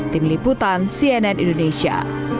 tim liputan cnn indonesia